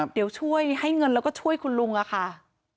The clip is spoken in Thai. เดี๋ยวช่วยให้เงินแล้วก็ช่วยคุณลุงอะค่ะ